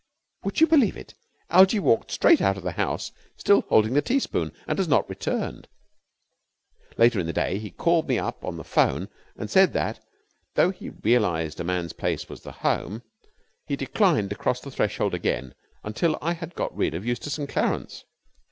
Would you believe it? Algie walked straight out of the house, still holding the teaspoon, and has not returned. Later in the day he called me up on the phone and said that, though he realized that a man's place was the home, he declined to cross the threshold again until I had got rid of Eustace and Clarence.